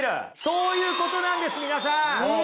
そういうことなんです皆さん。